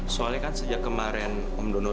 soalnya kan sejak kemarin om donamin darah ke lara